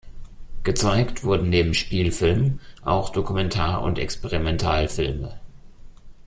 Gezeigt wurden neben Spielfilmen auch Dokumentar- und Experimentalfilme.